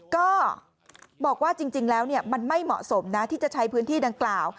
ก็บอกว่าจริงแล้วมันไม่เหมาะสมนะที่จะใช้พื้นที่ดังกล่าว